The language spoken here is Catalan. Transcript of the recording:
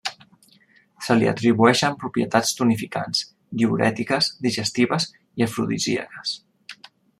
Se li atribueixen propietats tonificants, diürètiques, digestives i afrodisíaques.